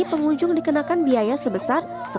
pengunjung dikenakan biaya sebesar